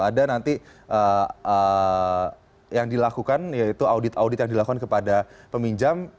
ada nanti yang dilakukan yaitu audit audit yang dilakukan kepada peminjam